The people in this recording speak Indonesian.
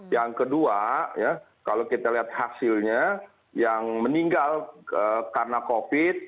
yang kedua kalau kita lihat hasilnya yang meninggal karena covid